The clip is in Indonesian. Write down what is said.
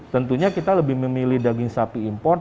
tentunya kita lebih memilih daging sapi import